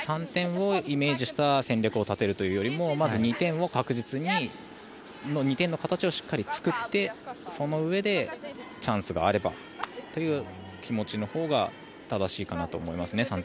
３点をイメージした戦略を立てるというよりもまず２点を確実に２点の形をしっかりと作ってそのうえでチャンスがあればという気持ちのほうが正しいかなと思いますね。